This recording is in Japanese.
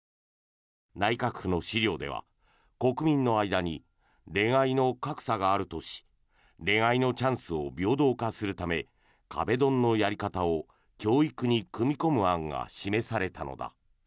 内閣府の資料では国民の間に恋愛の格差があるとし恋愛のチャンスを平等化するため壁ドンのやり方を教育に組み込む案が示されたのだ。